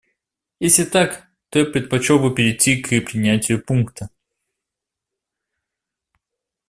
Если так, то я предпочел бы перейти к принятию пункта.